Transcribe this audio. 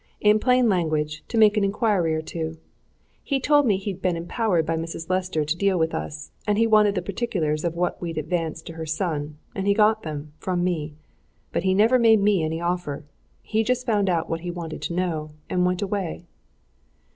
"In plain language, to make an inquiry or two. He told me he'd been empowered by Mrs. Lester to deal with us, and he wanted the particulars of what we'd advanced to her son, and he got them from me. But he never made me any offer. He just found out what he wanted to know and went away."